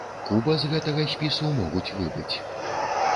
Куба з гэтага спісу могуць выбыць.